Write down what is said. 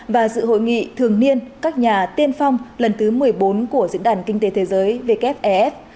và dự hội nghị thường niên các nhà tiên phong lần thứ một mươi bốn của diễn đàn kinh tế thế giới wfef